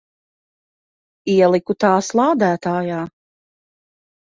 Ieliku tās lādētājā.